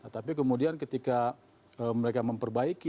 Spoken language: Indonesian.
tapi kemudian ketika mereka memperbaiki dan memperbaiki